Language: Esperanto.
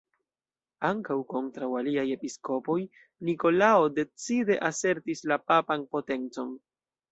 Ankaŭ kontraŭ aliaj episkopoj Nikolao decide asertis la papan potencon.